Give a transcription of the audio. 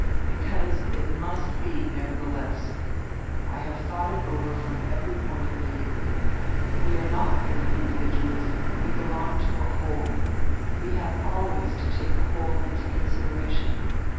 "Because it must he, nevertheless. I have thought it over from every point of view. We are not merely indi viduals, we belong to a whole, and have always to take the whole into consideration.